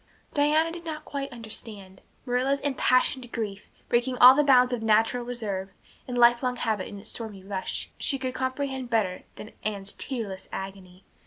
Diana did not quite understand. Marilla's impassioned grief, breaking all the bounds of natural reserve and lifelong habit in its stormy rush, she could comprehend better than Anne's tearless agony.